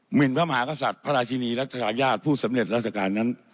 หินพระมหากษัตริย์พระราชินีรัชทายาทผู้สำเร็จราชการนั้น